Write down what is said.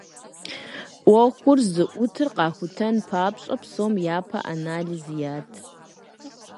Ӏуэхур зыӏутыр къахутэн папщӏэ, псом япэ анализ ят.